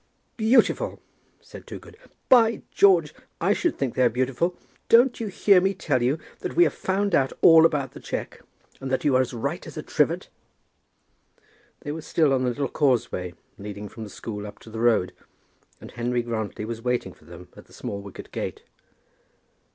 "Beautiful!" said Toogood. "By George, I should think they are beautiful! Don't you hear me tell you that we have found out all about the cheque, and that you're as right as a trivet?" They were still on the little causeway leading from the school up to the road, and Henry Grantly was waiting for them at the small wicket gate.